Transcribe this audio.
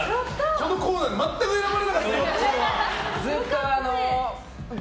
このコーナーで全く選ばれなかった、よっつーは。